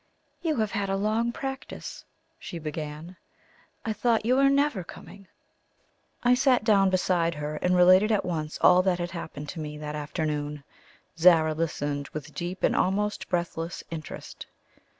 "You have had a long practice," she began; "I thought you were never coming." I sat down beside her, and related at once all that had happened to me that afternoon. Zara listened with deep and almost breathless interest.